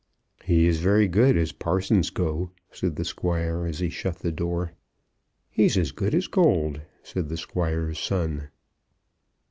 "He is very good as parsons go," said the Squire as he shut the door. "He's as good as gold," said the Squire's son.